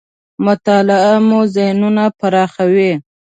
مطالعه مو ذهنونه پراخوي .